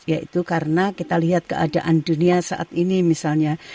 yaitu karena kita lihat keadaan dunia saat ini misalnya